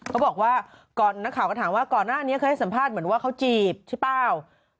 เขาบอกว่าก่อนนักข่าวก็ถามว่าก่อนหน้านี้เคยให้สัมภาษณ์เหมือนว่าเขาจีบใช่เปล่า